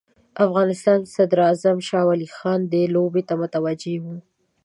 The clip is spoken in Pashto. افغانستان صدراعظم شاه ولي خان دې لوبې ته متوجه وو.